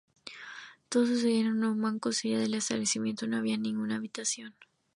Todo sucedía en un banco o silla del establecimiento: no había ninguna habitación.